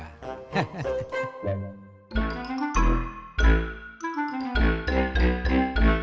kalau misalnya yang pada